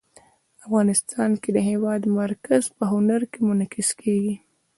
افغانستان کې د هېواد مرکز په هنر کې منعکس کېږي.